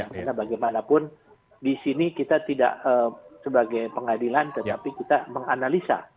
karena bagaimanapun di sini kita tidak sebagai pengadilan tetapi kita menganalisa